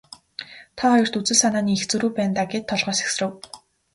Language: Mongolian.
Та хоёрт үзэл санааны их зөрүү байна даа гээд толгой сэгсрэв.